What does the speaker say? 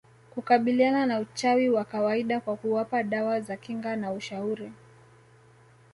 kukabiliana na uchawi wa kawaida kwa kuwapa dawa za kinga na ushauri